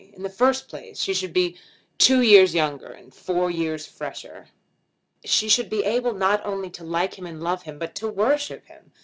In the first place she should be two years younger, and four years fresher. She should be able not only to like him and love him, but to worship him.